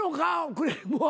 クレームは。